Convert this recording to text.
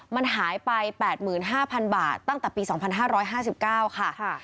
มันหายไปแปดหมื่นห้าพันบาทตั้งแต่ปีสองพันห้าร้อยห้าสิบเก้าค่ะค่ะ